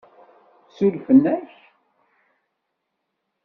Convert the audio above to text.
Surfen-ak?